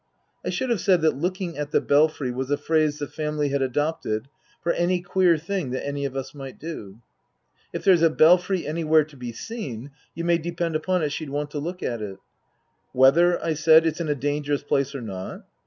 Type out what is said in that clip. (I should have said that " looking at the belfry " was a phrase the family had adopted for any queer thing that any of us might do.) " If there's a belfry anywhere to be seen you may depend upon it she'd want to look at it." " Whether," I said, " it's in a dangerous place or not